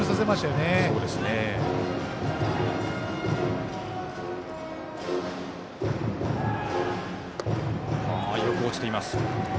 よく落ちています。